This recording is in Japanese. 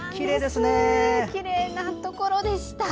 きれいなところでした。